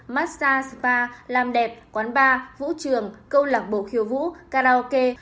massag spa làm đẹp quán bar vũ trường câu lạc bộ khiêu vũ karaoke